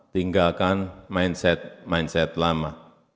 tinggalkan mindset mindset lama